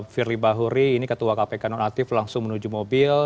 fili bauri ini ketua kpk nonaktif langsung menuju mobil